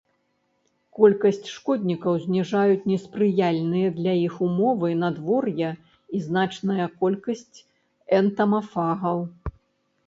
Колькасць шкоднікаў зніжаюць неспрыяльныя для іх ўмовы надвор'я і значная колькасць энтамафагаў.